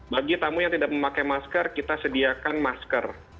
bagi tamu yang tidak memakai masker kita sediakan masker